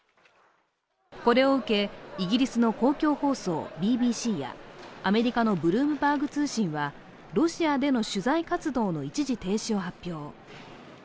これを受け、イギリスの公共放送ＢＢＣやアメリカのブルームバーグ通信はロシア取材活動の一時停止を発表。